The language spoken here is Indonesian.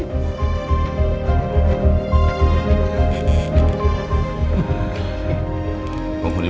berarti hukum gak sih